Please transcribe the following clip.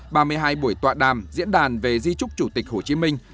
ba mươi hai buổi tọa đàm diễn đàn về di trúc chủ tịch hồ chí minh